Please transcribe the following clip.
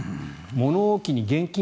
物置に現金が